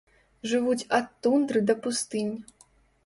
Жывуць ад тундры да пустынь.